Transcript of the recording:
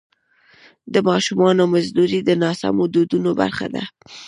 د ماشومانو مزدوري د ناسمو دودونو برخه ده.